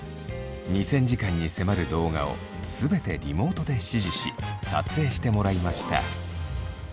２，０００時間に迫る動画を全てリモートで指示し撮影してもらいました。